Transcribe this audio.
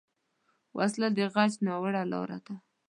وسله د غچ ناوړه لاره ده